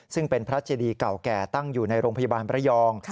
ซึ่งเป็นพระเจดีเก่าแก่ตั้งอยู่ในโรงพยาบาลประยอง